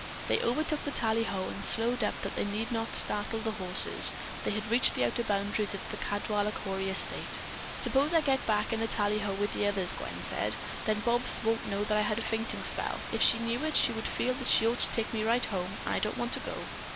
They overtook the tallyho and slowed up that they need not startle the horses. They had reached the outer boundaries of the Caldwaller Cory estate. "Suppose I get back in the tallyho with the others," Gwen said, "then Bobs won't know that I had a fainting spell. If she knew it, she would feel that she ought to take me right home, and I don't want to go."